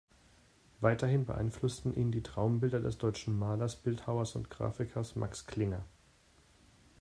Weiterhin beeinflussten ihn die Traumbilder des deutschen Malers, Bildhauers und Grafikers Max Klinger.